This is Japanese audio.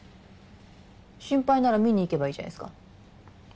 心配なら見に行けばいいじゃないですか。